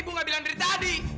candy bisa berubah